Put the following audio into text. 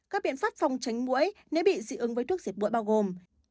các biện pháp phòng tránh mũi nếu bị dị ứng với thuốc diệt mũi bao gồm